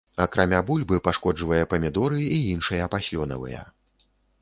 Акрамя бульбы, пашкоджвае памідоры і іншыя паслёнавыя.